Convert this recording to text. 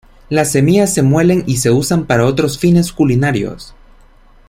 Las semillas se muelen y se usan para otros fines culinarios.